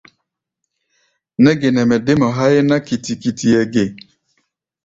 Nɛ́ ge nɛ mɛ dé mɔ háí ná kikiti-kikitiʼɛ ge?